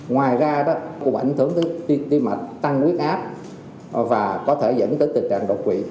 ngoài ra ảnh hưởng tới tiên mạch tăng quyết áp và có thể dẫn tới tình trạng độc quỵ